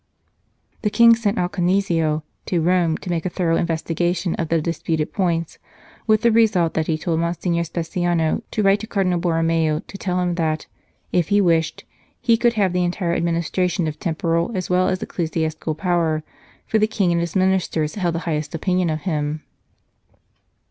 The King sent Alcanisio to Rome to make a thorough investigation of the disputed points, with the result that he told Monsignor Speciano to write to Cardinal Bor romeo to tell him that, if he wished, he could have the entire administration of temporal as well as ecclesiastical power, for the King and his Ministers held the highest opinion of him.